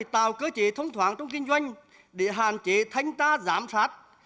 tạo cơ chế thông thoáng trong kinh doanh để hạn chế thanh ta giám sát